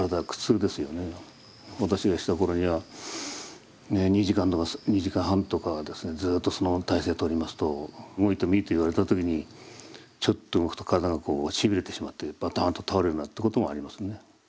私がした頃には２時間とか２時間半とかですねずっとその体勢をとりますと動いてもいいと言われた時にちょっと動くと体がしびれてしまってバタンと倒れるなんてこともありますね。